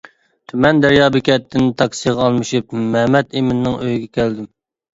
تۈمەن دەريا بېكەتتىن تاكسىغا ئالمىشىپ مەمەت ئىمىننىڭ ئۆيىگە كەلدىم.